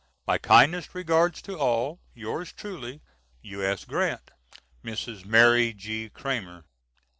My kindest regards to all. Yours truly, U.S. GRANT. MRS. MARY G. CRAMER.